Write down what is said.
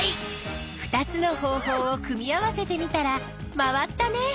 ２つの方法を組み合わせてみたら回ったね。